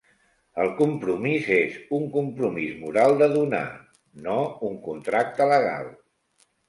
El compromís és un compromís moral de donar, no un contracte legal.